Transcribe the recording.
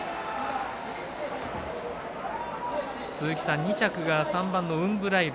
鈴木さん２着が３番ウンブライル。